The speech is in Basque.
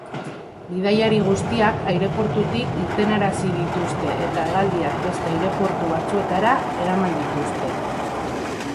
Bidaiari guztiak aireportutik irtenarazi dituzte eta hegaldiak beste aireportu batzuetara eraman dituzte.